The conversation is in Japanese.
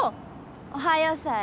おはようさえ。